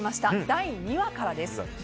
第２話からです。